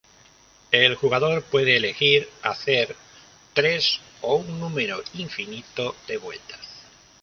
El jugador puede elegir hacer tres o un número infinito de vueltas.